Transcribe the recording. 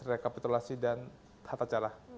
rekapitulasi dan tata cara